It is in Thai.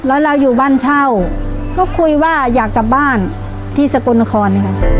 แล้วเราอยู่บ้านเช่าก็คุยว่าอยากกลับบ้านที่สกลนครค่ะ